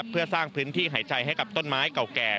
เพื่อสร้างพื้นที่หายใจให้กับต้นไม้เก่าแก่